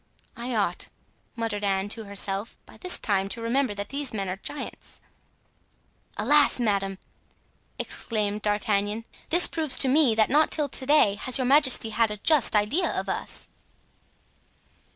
"I ought," muttered Anne to herself, "by this time to remember that these men are giants." "Alas, madame!" exclaimed D'Artagnan, "this proves to me that not till to day has your majesty had a just idea of us."